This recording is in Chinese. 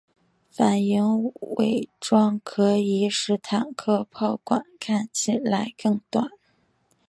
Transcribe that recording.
反影伪装可以使坦克炮管看起来更短。